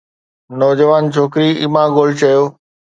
نوجوان ڇوڪري Emma Gold چيو